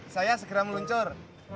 saya segera meluncur